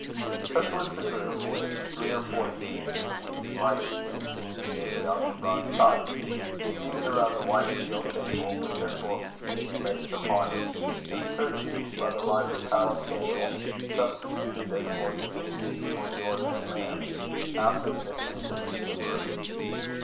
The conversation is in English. Such was the group which, three or four evenings in the week, might be seen in David Elginbrod's cottage, seated around the white deal table, with their books and slates upon it, and searching, by the light of a tallow candle, substituted as more convenient, for the ordinary lamp, after the mysteries of the universe.